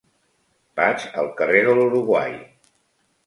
Vaig al carrer de l'Uruguai.